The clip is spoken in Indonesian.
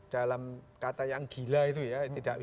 dalam kata yang gila itu ya